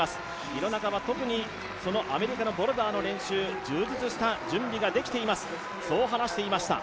廣中は特にアメリカのボルダーの練習、充実した準備ができています、そう話をしていました。